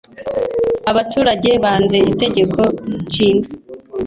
abaturage banze itegeko nshinga